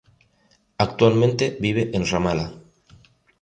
Actualmente vive en Ramala.